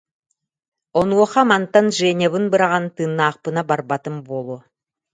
Онуоха, мантан Женябын быраҕан, тыыннаахпына барбатым буолуо